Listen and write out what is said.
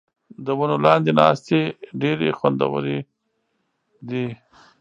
د ونو لاندې ناستې ډېرې خوندورې دي.